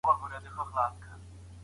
څه وخت ملي سوداګر اوړه هیواد ته راوړي؟